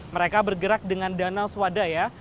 mereka bergerak dengan dana swadaya